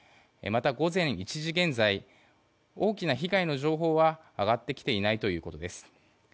また午前１時現在大きな被害の情報は上がってきていないということです。